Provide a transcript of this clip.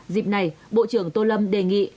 dịp này bộ trưởng tô lâm đề nghị